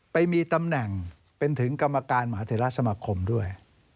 ไปมีตำแหน่งเป็นถึงกรรมการมหาเทราสมาคมด้วย